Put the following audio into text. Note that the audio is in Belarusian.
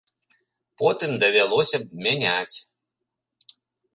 Потым давялося б мяняць.